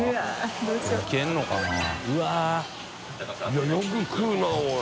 いやよく食うなおい。